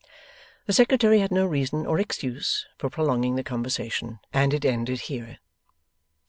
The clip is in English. The Secretary had no reason or excuse for prolonging the conversation, and it ended here.